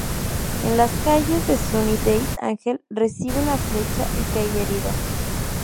En las calles de Sunnydale Ángel recibe una flecha y cae herido.